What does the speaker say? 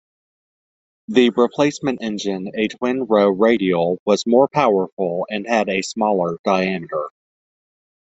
The replacement engine, a twin-row radial, was more powerful and had a smaller diameter.